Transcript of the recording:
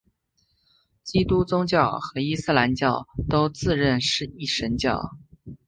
基督宗教和伊斯兰教都自认是一神教。